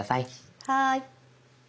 はい。